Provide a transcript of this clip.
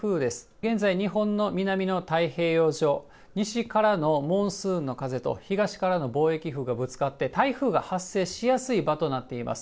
現在、日本の南の太平洋上、西からのモンスーンの風と、東からの貿易風がぶつかって、台風が発生しやすい場となっています。